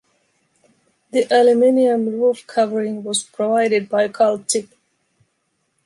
The aluminium roof covering was provided by Kalzip.